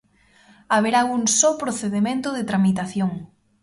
Haberá un só procedemento de tramitación.